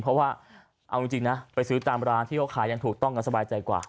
เพราะว่าเอาจริงนะไปซื้อตามร้านที่เขาขายอย่างถูกต้องสบายใจกว่า